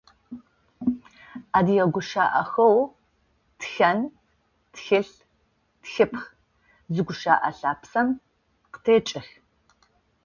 Адыгэ гущыӏэхэу «тхэн», «тхылъ», «тхыпхъ» зы гущыӏэ лъапсэм къытекӏых.